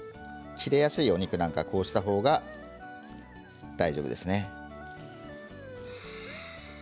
切れやすいお肉なんかはこうしたほうが大丈夫ですね。